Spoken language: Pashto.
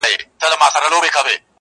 • خپل شعرونه چاپ کړل -